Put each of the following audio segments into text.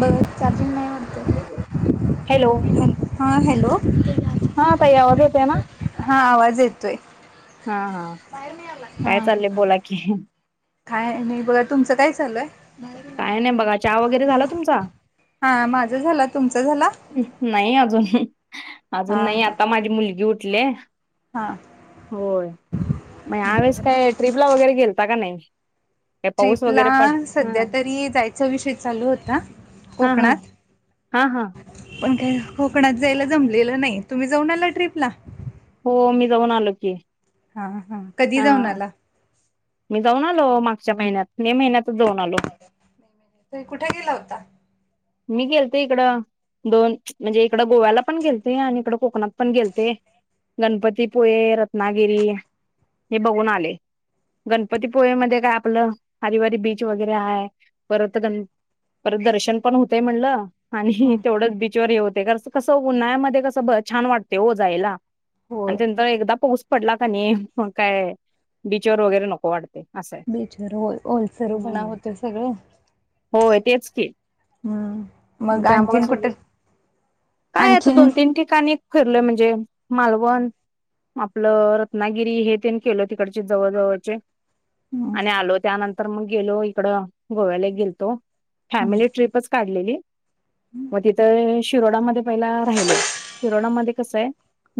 ब charging hello हां hello हा ताई आवाज येतो ना हा आवाज येतोय, हा हा महेर नाहीला [unintelligible] काय चाललंय बोला की काय नाही बघा तुमचं काय चालय काय नाही बघा चहा वगैरे झाला तुमचा? हा माझ झाला तुमच झाला नाही अजून हा अजून नाही आता माझी मुलगी उठल्या हां [unintelligible] मग या हवेळेस काय ट्र्रीपला वगैरे गेलता का नाही काय पाऊस ट्रीप ला वगैरे पड हा सध्या तरी जायच विषय चालू होता हा हा कोकणात हा हा पण काय कोकणात जायला जमलेलं नाही तुम्ही जाऊन आला ट्रीपला हो मी जाऊन आलो की हा हा कधी जाऊन आला मी जाऊन आलो मागच्या महिन्यात मे महिन्यात जाऊन आलो त कुठे गेला होता मी गेलते इकडं दोन म्हणजे इकडं गोव्याला पण गेलतेय, आणि इकडं कोकणात, पण गेलते गणपतीपुळे, रत्नागिरी, हे बघून आले गणपतीपुळे मध्ये काय आपलं हरिवारी बीच वगैरे आहे परत गण परत दर्शन पण होतय म्हणलं आणि हम्म तेवढंच बीच कन्हा्या क छान वाट जा [unintelligible] होय एकदा पाऊस पडला कनी मग काय बीचवर वगैरे नको वाटतय. बीचवर हो. ओलसरपणा होते सगळ. होय तेच की हम्म. त्यामुळे सगळी. काय आता आणखीन दोन तीन ठिकाणी. फरलं म्हणजे मालवण आपलं रत्नागिरी हे तेन केलं तिकडचे जवळजवळचे. आणि आलो त्यानंतर मग गेलो, इकड गोव्याला एक गेलतो. हम्म फॅमिली ट्रिपच काढलेली. मग तिथे शिरोडामध्ये पहिला राहिलो. शिरोडामध्ये कस आहे,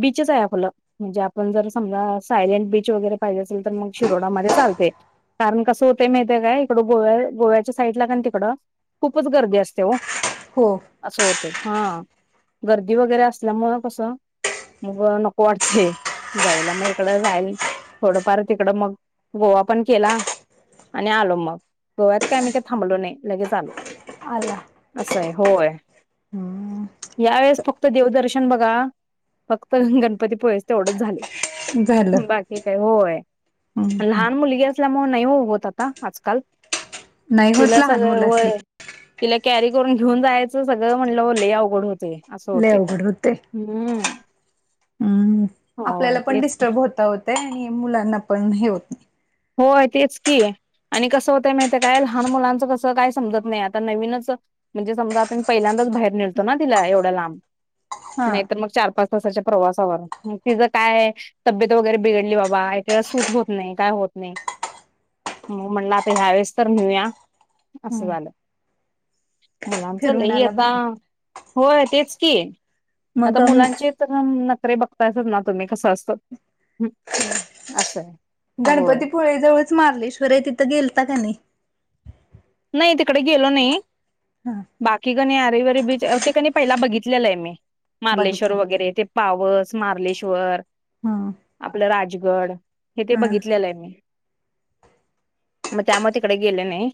बीचच आहे आपलं. म्हणजे आपण जर समजा सायलेंट बीच वगैरे पाहिजे असेल, तर मग शिरोडामध्ये चालते. कारण कसं होते माहतेय काय? इकड गोव्या गोव्याच्या साईड ला कनि तिकडं खूपच गर्दी असते ओ. हो. असं होते, हा. गर्दी वगैरे असल्यामुं कसं मग नको वाटतेय जायला. मग इकड जायला थोडंफार तिकडं मग गोवा पण केला. आणि आलो मग. गोव्यात काय आम्ही काही थांबलो नाही. लगेच आलो. आला. असं आहे. होय. हम्म यावेेळेस फक्त देवदर्शन बघा. फक्त, गणपतीपोळेच तेवढंच झाले. झालं हम्म बाकी काय. होय, हम्म. लहान मुलगी अस मुळे नाही ओ होत आता आजकाल. नाही होत तिला लहान सगळं मुलं असली होय. की तिला कॅरी करून घेऊन जायचं सगळं म्हणल्यावर लय अवघड होतंय. असं लय होतय. अवघड होतय हम्म. हम्म. होय आपल्याला पण तेच की डिस्टर्ब होत ओ ते. आणि मुलांना पण हे होत. होय, तेच की. आणि कसं होतय माहित आहे काय? लहान मुलांचं कसं काय समजत नाही आत आता नवीनच म्हणजे, समजा आता मी पहिल्यांदाच बाहेर निळतो ना तिला एवढ्या लांब. हा नाही तर मग चार पाच तासाच्या प्रवासावर. मग तिचं काय. तब्येत वगैरे बिघडली बाबा एकका सूट होत नाही काय होत नाही. म म्हणलं आता ह्यावेेळेस तर नेऊया, असं हम्म झालं. मुलांच फिरून लई आला आता. भारी होय तेच की. मग आता अम, मुलांचे नखरे बघतायच ना तुम्ही, कसं असत. ह असं आहे. होय. [unintelligible] मारलेश्वर आहे, तिथं गेलता की नाही? नाही तिकडे गेलो नाही. हा. बाकी कणी अरे वारे बीच, ते कणी पहिला बघितलेलं आहे मी. मार्लेश्वर बघितलं होत वगैरे ते. पावस, मार्लेश्वर. हा. आपलं राजगड. हे ते हा बघितलेलं आहे मी. मग त्यामूळ तिकड गेले नाही.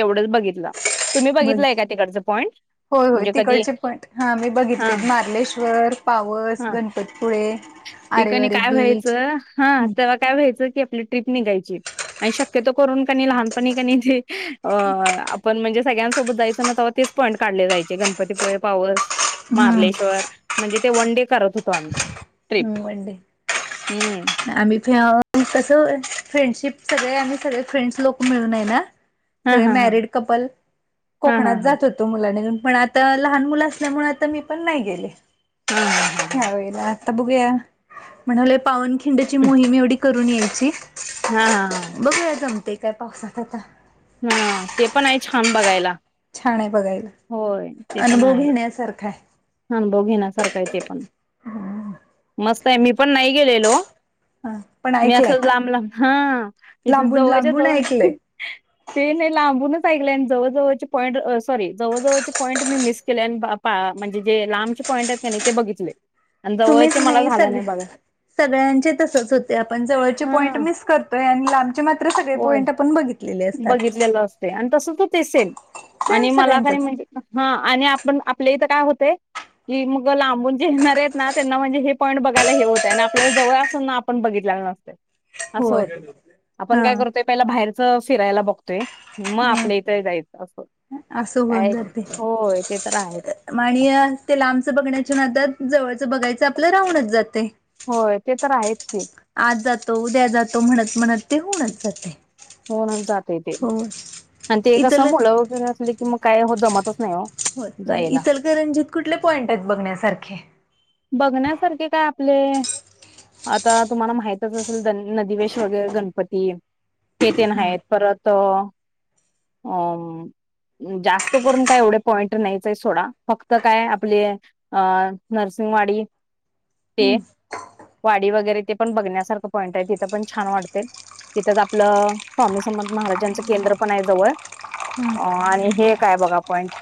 तेवढंच बघितलं. तुम्ही बघितलंय बघित का तिकडचं पॉईंट होय होय. म्हणजे कधी तिकडचे पण. हा मी हा बघितलेत. मार्लेश्वर, पावस हा गण होय. ते कानी काय व्हायच हा तेव्हा काय व्हायच, की आपली ट्रिप निघायची आणि शक्यतो करून कनी लहानपणी क अ आपण म्हणजे, सगळ्यांसोबत जायच ना तेव्हा तेच पॉईंट काढले जायचे, गणपतीपुळे पाऊस हम्म महाार्लेश्वर म्हणजे ते वन डे करत होतो आम्ही. ट्रिप हम् हम्म [unintelligible] तस फ्रेंडशिप सगळे आणि सगळे फ्रेंड्स लोक मिळून हेना हा सगळे हा हा मॅरिड कपल, हा हा कोकणात हा जात होते तो मुलानी पण आता लहान मुल असल्यामुळे, आता मी पण नाही गेले. हा हा हा हा या वेळेला आता बघूया. म्हणले पावनखिंडची मोहीम एवढी- करून यायची. हा, हा, हा बघुया जमत काय पावसात आता. हा ते पण आहे, छान बघायला छान आहे बघायला, होय ते पण अनुभव आहे घेण्यासारखा आहे. अनुभव घेण्यासारख आहे ते पण, मस्त आहे मी पण नाही गेलेलो. हा पण मी ऐकलंय असच लांब लांब. हा इथ लांबून जवळ च्या लांबून जवळ. ऐकलंय ते नाही लांबूनच ऐकले आणि जवळजवळचे पॉईंट, सॉरी जवळजवळचे पॉईंट मी मिस केले आणि बा म्हणजे जे लांबचे पॉईंट आहेत कि नाही ते बघितले. आणि तुम्हीच जवळचे मला नाही झालं सग बघा. सगळ्यांचे तसच होते आपण जवळचे पॉईंट हां, मिस करतोय आणि लांबचे मात्र सगळे पॉईंट आ पण बघितलेले. बघितलेल असते आणि तसच होत सेम सेम आणि मला कानी सगळ्यांचच म्हणजे हा आणि आपण आपल्या इथ काय होते. कि मग लांबून जे येणार आहेत ना त्यांना म्हणजे हे पॉईंट बघायला हे होत आहे आणि आपल्याला जवळ असून पण बघितलेल नसत अस होय होत आपण हा काय करतोय पहि बाहेरच फिरायला बघतोय. मग ह आपल्या इथ जायच अस. असं होऊन काय जाते होय ते तर आहेच. आणि ते लांबच बघण्याच्या नादात जवळच बघायच आपल राहूनच जाते. होय ते तर आहेच कि, आज जातो उद्या जातो म्हणत म्हणत ते होऊनच जाते. होऊन जाते ते हो आणि ते कस इचल मुल वगैरे असले की मग काय हो जमत च होत नाही इतलकर रंजीित कुठले पॉइंट आहेत बघण्यासारखे. बघण्यासारखे काय आपले. आता तुम्हाला माहितच असेल नदीवेश वगैरे गणपती. हे तीन आहेत हम्म परत अ जास्त करून काय एवढे पॉईंट नाहीचय सोडा फक्त काय आपले अ नरसिंंगवाडी ते वाडी वगैरे ते पण बघण्यासारखं पॉईंट आहे तिथ पण छान वाटते. तिथ च आपल स्वामी समर्थ महाराजांचं केंद्र पण आहे जवळ. अ आणि हे काय बघा पॉइंट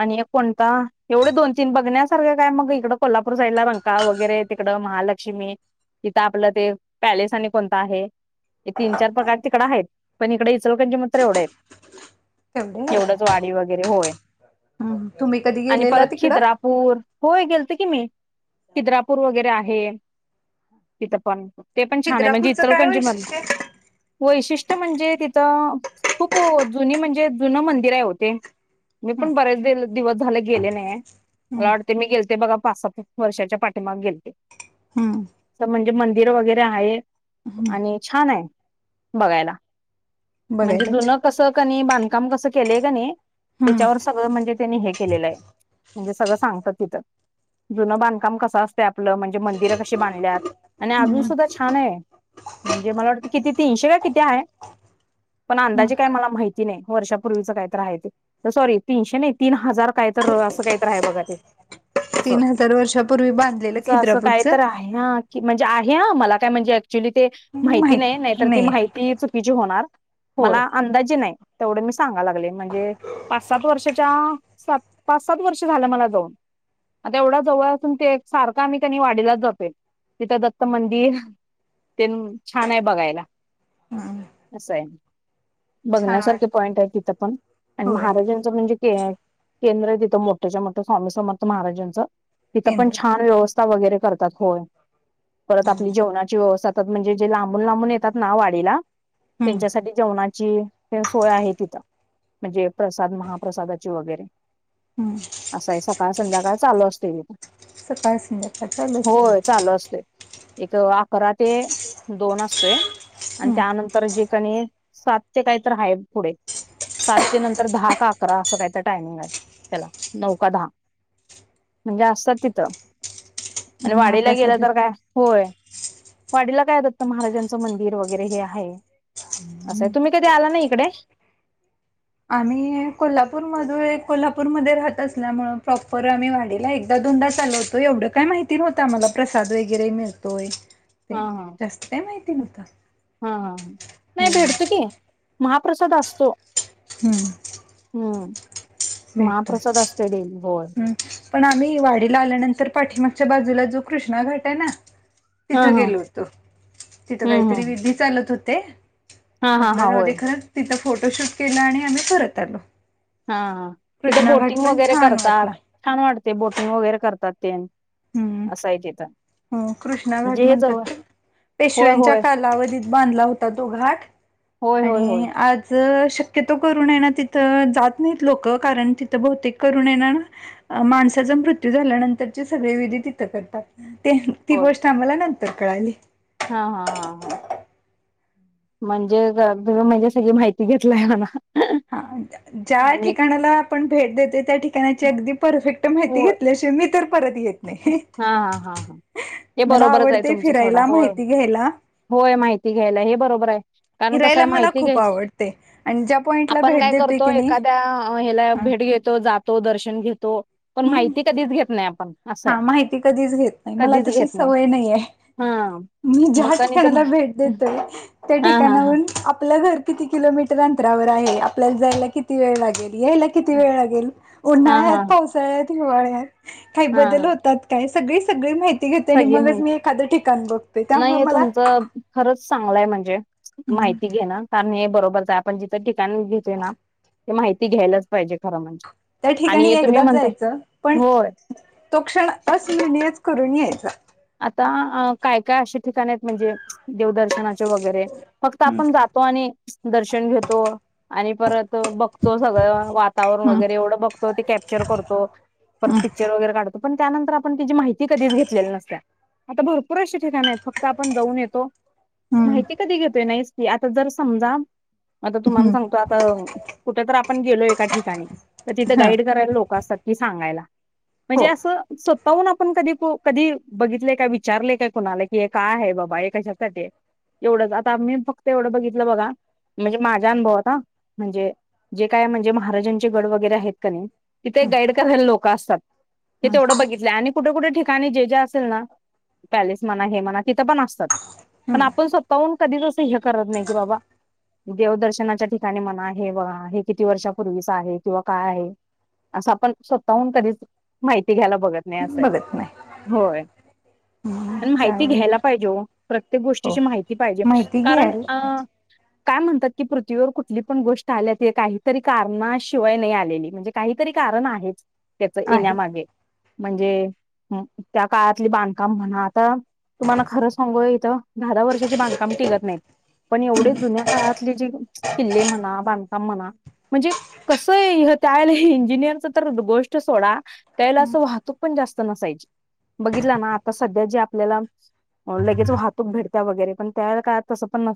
आणि ऐक कोणता एवढे दोन तीन बघण्या सारख्या काय मग इकड कोल्हापूर साईड ला रंका वगैरे तिकड महालक्ष्मी. इथ आपल ते पॅलेस आणि कोणता आहे. हे तीन चार प्रकार तिकड आहेत पण इकडे इचल करंजीत मात्र एवढे आहेत. तेवढे एवढच वाडी वगैरे होय आहेत तुम्ही कधी आणि गेलेला परत तिकडं? खिद्रापूर. होय गेल ते की मी खिद्रापूर वगैरे आहे तिथं पण ते पण छान म्हणजे खिद्रापूरचं काय इचलकरंजी मध्ये वैशिष्ट्य आहे? वैशिष्ट्य म्हणजे तिथं खूप जुनी म्हणजे जुन मंदिर आहे हो ते. मी पण बरेच दि दिवस झाले गेले नाही हम्म मला ते मी गेलते बघा पाचसात वर्षाच्या पाठीमाग गेलते. हम्म. म्हणजे मंदिर वगैरे आहे हम्म आणि छान आहे बघायला. म्हणजे बघायलाच जुन कसं कनी बांधकाम कसं केलंय का नाही हम्म त्याच्यावर सगळं म्हणजे त्यानी हे केलेलं आहे म्हणजे सगळं सांगतात तिथं जुन बांधकाम कसं असते आपलं म्हणजे मंदिरं कशी बांधल्यात आणि अजून हम्म सुद्धा छान आहे. म्हणजे मला वाटतं किती तीनशे का किती आहे. पण हम्म अंदाजी काय मला माहिती नाही वर्षापूर्वीच काय तर आहे ते सॉरी तीनशे नाही तीन हजार कायतर असं काहीतरी आहे बघा ते. असं तीन हजार वर्षापूर्वी बांधलेलं खित्रापूरचं ह की म्हणजे आहे ह मला काय म्हणजे ऍक्च्युली ते माहिती नाही नाहीतर ती माहिती चुकीची होणार होय मला अंदाजी नाही तेवढे मी सांगाय लागले म्हणजे पाच -सात वर्षाच्या सात, पाच -सात वर्ष झालं मला जाऊन. आता एवढ्या जवळअसून ते सारखं आम्ही त्यांनी वाडीलाच जातो तिथं दत्त मंदिर तेन छान आहे बघायला हम्म असं आहे. छान बघण्यासारखे वाटत पॉइंट आहे तिथं पण आणि होय महाराजां म्हणजे केंद्र तिथं मोठच्या-मोठ म्ह स्वामी समर्थ महाराजांचं. तिथं पण केंद्र छान व्यवस्था वगैरे करतात होय परत आपली जेवणाची व्यवस्था. म्हणजे जे लांबून- लांबून येतात ना वाडीला हम्म त्यांच्यासाठी जेवणाची सोय आहे तिथं म्हणजे प्रसाद महाप्रसादाची वगैरे. हम्म. असं आहे सकाळ संध्याकाळ चालू असते ते, सकाळ संध्याकाळ चालू होय असतंय चालू असतय. एक अकरा ते दोन असतोय आणि हम्म त्यानंतर तर जे कणी सात ते काय तर हा पुढे. सात ते नंतर दहा का अकरा असं काय तर टायमिंग आहे त्याला नऊ का दहा. म्हणजे असतात तिथं आणि वाडीला गेलं महाप्रसाद तर काय होय. वाडीला काय दत्त महाराजांचं मंदिर वगैरे हे आहे. असं तुम्ही कधी आला ना इकडे. आम्ही कोल्हापूर मधून कोल्हापूरमध्ये राहत असल्यामुळे प्रॉपर आम्ही वाडीला एक एकदा दोनदाच आलो होतो. एवढं काय माहिती नव्हतं आम्हाला प्रसाद वगैरे मिळतोय. हा ते हा जास्त काय माहिती नव्हतं. हा ह ह नाही भेडतो की. महाप्रसाद असतो. हम्म. हम्म भेटतोय महाप्रसाद असतोय डेली होय. हम्म पण आम्ही वाडीला आल्यानंतर पाठीमागच्या बाजूला जो कृष्णा घाट आहे ना हा तिथं हा गेलो होतो तिथं हम्म काहीतरी हम्म विधी चालत होते. हा हा म्हटलं हा राहू दे होय ते खरं तिथं फोटोशूट केलं आणि आम्ही परत आलो. हा तिथं कृष्णा घाट बोटिंग पण वगैरे छान करतात वाटला छान वाटते बोटिंग वगैरे करतात ते. हम्म अस आहे तिथं. हो कृष्णा म्हणजे घाट हे म्हणतात जवळ ते होय पेशव्यांच्या होय कालावधीत बांधला होता तो घाट होय होय होय आणि आज. शक्यतो करून आहे ना तिथं जात नाहीत लोक कारण तिथं बहतेक करून ये ना ना. अ माणसाचा मृत्यू झाल्यानंतरची सगळे विधी तिथं करतात. ते ती होय गोष्ट आम्हाला नंतर कळाली. हा हा हा हा. म्हणजे तु तुम्ही म्हणजे सगळी माहिती घेतलाय म्हणा. हा ज्या आम्ही ठिकाणाला आपण भेट देतोय, त्या ठिकाणाची अगदी परफेक्ट हो माहिती घेतल्याशिवाय मी तर परत येत नाही. हा हा हा हा हे मला बरोबरच आहे आवडते तुमचं सोडा फिरायला, होय माहिती घ्यायला. होय माहिती घ्यायला, हे बरोबर हाय. कारण कस हाय फिरायला मला माहिती खूप घ्यायच, आवडते आणि ज्या पॉइंटला आपण भेट काय देतोय करतो की नाही एखाद्या ह्याला हा भेट घेत जातो दर्शन घेतो, पण हम्म माहिती कधीच घेत नाही आपण. असं हा आहे माहिती कधीच घेत नाही, मला कधीच घेत तशी सवय नाही हाय. हा मी ज्या मग आणि ते ठिकाणाला मा- भेट देतोय त्या हा हा हा ठिकाणाहून, आपलं घर किती किलोमीटर अंतरावर आहे. आपल्याला जायला किती वेळ लागेल, यायला किती वेळ लागेल? हा उन्हाळ्यात, हा पावसाळ्यात, हिवाळ्यात काही हा बदल हा होतात. काय सगळी सगळी माहिती घेते आणि सगळी मगच माहिती मी एखादं ठिकाण बघतोय, नाही त्यामुळे हे मला तुमचं खरंच चांगलाय म्हणजे हम्म माहिती घेण कारन हे बरोबर जात पण जिथं ठिकाण घेतय ना, ते माहिती घ्यायलाच पाहिजे खरं म्हणजे. त्या आणि ठिकाणी हे तुम्ही एकदाच म्हणताय जायचं, पण होय तो क्षण अस्मरणीयच करून यायचा. आता काय काय अशे ठिकाण आहेत म्हणजे देवदर्शनाचे वगैरे फक्त हम्म आपण जात तो आणि दर्शन घेतो. आणि परत बघतो सगळं वातावरण हम्म वगैरे एवढं बघतो, ते कॅप्चर करतो. परत हम्म पिक्चर वगैरे काढतो, पण त्यानंतर आपण तिची माहिती कधीच घेतलेली नसत्या. आता भरपूर अशे ठिकाण आहेत, फक्त आपण जाऊन येतो, हम्म माहिती कधी घेतोय नाहीस की आता जर समजा, आता तुम्हाला हम्म सांगतो, आता कुठ तर आपण गेलो एका ठिकाणी तर तिथे ह गाईड करायला लोक असतात. हे सांगायला म्हणजे हो हम्म असं स्वतःहून आपण कधी गु, कधी बघितलय काय? विचारले काय कुणाला कि, हे काय आहे बाबा? हे कशासाठी आहे? एवढंच आता मी फक्त एवढं बघितलं बघा म्हणजे माझा अनुभवात हा म्हणजे जे काय म्हणजे महाराजांचे गड वगैरे आहेत का नाही, तिथे गाईड करायला लोक असतात. ते तेवढं बघितलंय आणि कुठे कुठे ठिकाणी जे जे आसतं तीलना पॅलेस म्हणा, हे म्हणा तिथं पण असतात. पण हम्म आपण स्वतःहून कधीच असं हे करत नाही की, बाबा देवदर्शनाच्या ठिकाणी म्हणा, हे बघा हे किती वर्षापूर्वीच आहे किंवा काय आहे? आसं आपण स्वतःहून कधीच माहिती घ्यायला बघत नाही, आस हाय. बघत नाही. होय. हम्म, आणि माहिती चालेल घ्यायला पाहिजे ओ, प्रत्येक हो गोष्टीची माहिती पाहिजे, माहिती कारण घ्यायला अ पाहिजे काय म्हणतात की, पृथ्वीवर कुठली पण गोष्ट आल्या ती काहीतरी कारणाशिवाय नाही आलेली म्हणजे काहीतरी कारण आहेच. त्याच आहे. येण्यामागे म्हणजे त्या काळातले बांधकाम म्हणा आता तुम्हाला खरंच सांगू इथं, दहा दहा वर्षाचे बांधकाम टिगत नाहीत. पण एवढे जुन्या काळातले जे किल्ले म्हणा, बांधकाम म्हणा म्हणजे कसं हे य? त्यावेळेला हे इंजिनिअरच तर गोष्ट सोडा, त्यावेळेस वाहतूक पण जास्त नसायची. बघितला ना, आता सध्या जे आपल्याला अहो लगेच वाहतूक भेटत्या वगैरे पण त्या काळात तसं पण नसायच.